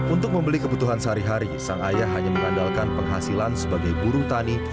untuk membeli kebutuhan sehari hari sang ayah hanya mengandalkan penghasilan sebagai buruh tani